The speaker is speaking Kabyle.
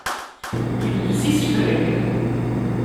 Yelbes isefreg.